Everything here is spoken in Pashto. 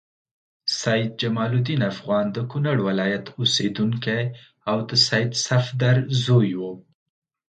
سید جمال الدین افغان د کونړ ولایت اوسیدونکی او د سید صفدر زوی و.